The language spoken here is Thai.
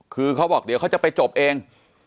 คือเขาบอกเดี๋ยวเขาจะไปจบเอง